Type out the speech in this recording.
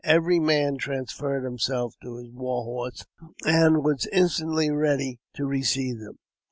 Every man transferred himself to his war horse, and was instantly ready to receive them.